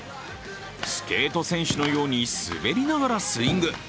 スケート選手のように滑りながらスイング。